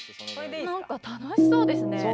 何か楽しそうですね。